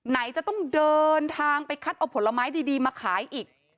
ไหนจะต้องเดินทางไปคัดเอาผลไม้ดีมาขายอีก